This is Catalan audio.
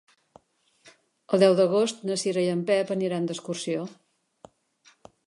El deu d'agost na Cira i en Pep aniran d'excursió.